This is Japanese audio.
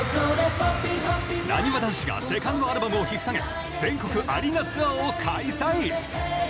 なにわ男子がセカンドアルバムをひっ提げ全国アリーナツアーを開催！